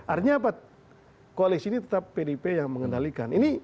artinya apa koalisi ini tetap pdip yang mengendalikan